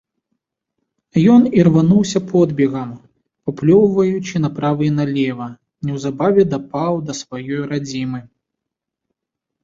Ён ірвануўся подбегам, паплёўваючы направа і налева, неўзабаве дапаў да сваёй радзімы.